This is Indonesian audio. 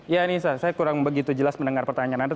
ya anissa saya kurang begitu jelas mendengar pertanyaan anda